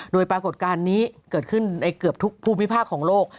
โดยปรากฏการณ์นี้เกิดขึ้นในเกือบทุกภูมิภาคของโลก